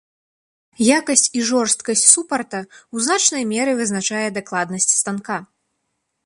Якасць і жорсткасць супарта ў значнай меры вызначае дакладнасць станка.